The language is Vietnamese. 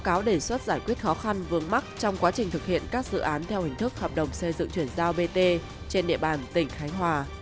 các báo cáo đề xuất giải quyết khó khăn vướng mắc trong quá trình thực hiện các dự án theo hình thức hợp đồng xây dựng chuyển giao bt trên địa bàn tỉnh khánh hòa